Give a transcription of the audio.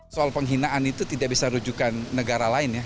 soal penghinaan itu tidak bisa rujukan negara lain ya